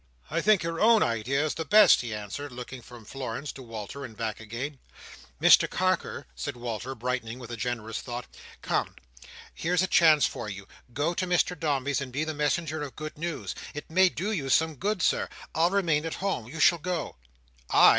"I think your own idea is the best," he answered: looking from Florence to Walter, and back again. "Mr Carker," said Walter, brightening with a generous thought, "Come! Here's a chance for you. Go you to Mr Dombey's, and be the messenger of good news. It may do you some good, Sir. I'll remain at home. You shall go." "I!"